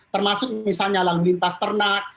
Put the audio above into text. termasuk misalnya lalu lintas ternak